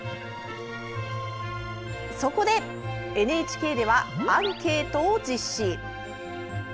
そこでＮＨＫではアンケートを実施。